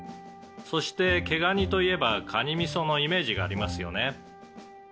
「そして毛ガニといえばカニミソのイメージがありますよね」